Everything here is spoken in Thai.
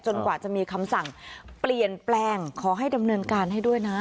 กว่าจะมีคำสั่งเปลี่ยนแปลงขอให้ดำเนินการให้ด้วยนะ